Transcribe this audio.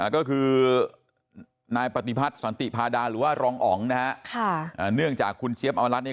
ก็คือนายปฏิพัฒน์สันติพาดาหรือว่ารองอ๋องนะฮะเนื่องจากคุณเจี๊ยบอมรัฐเนี่ย